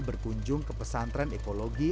berkunjung ke pesantren ekologi